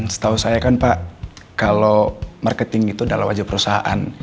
setahu saya kan pak kalau marketing itu adalah wajah perusahaan